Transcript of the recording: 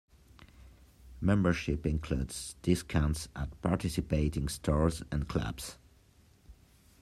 Membership includes discounts at participating stores and clubs.